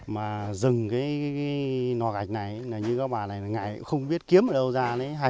mà dừng cái loa gạch này như các bà này không biết kiếm ở đâu ra hai trăm linh